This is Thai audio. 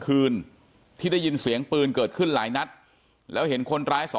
คืนที่ได้ยินเสียงปืนเกิดขึ้นหลายนัดแล้วเห็นคนร้าย๒